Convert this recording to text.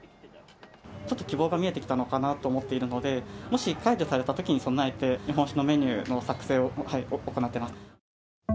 ちょっと希望が見えてきたのかなと思っているので、もし解除されたときに備えて、日本酒のメニューの作成を行っています。